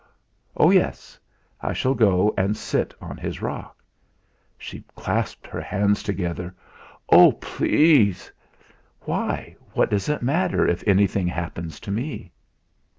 "Oh, yes! I shall go and sit on his rock." She clasped her hands together: "Oh, please!" "Why! What 'does it matter if anything happens to me?"